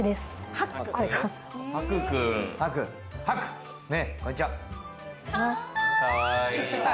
遥空、こんにちは。